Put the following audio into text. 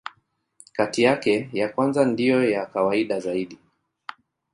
Kati yake, ya kwanza ndiyo ya kawaida zaidi.